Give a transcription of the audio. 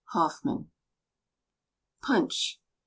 HOFFMAN. PUNCH.